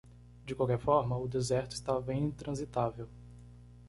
De qualquer forma, o deserto estava intransitável.